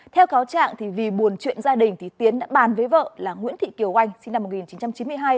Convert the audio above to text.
theo cáo trạng vì buồn chuyện gia đình tiến đã bàn với vợ là nguyễn thị kiều oanh sinh năm một nghìn chín trăm chín mươi hai